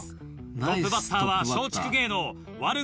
トップバッターは松竹芸能悪口